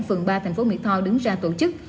phường ba tp mỹ tho đứng ra tổ chức